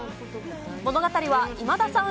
物語は今田さん